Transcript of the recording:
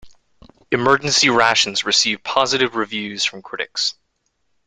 "Emergency Rations" received positive reviews from critics.